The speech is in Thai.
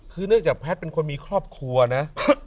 คือเนื่องจากแพทย์เป็นคนมีครอบครัวนะ